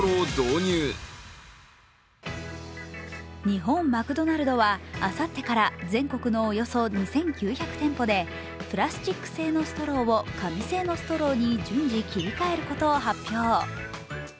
日本マクドナルドはあさってから全国のおよそ２９００店舗でプラスチック製のストローを紙製のストローに順次切り替えることを発表。